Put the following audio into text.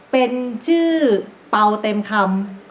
เป็นชื่อเป่าเต็มคำ